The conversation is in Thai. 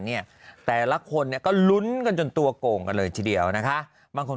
เนี่ยแต่ละคนเนี่ยก็ลุ้นกันจนตัวโก่งกันเลยทีเดียวนะคะบางคน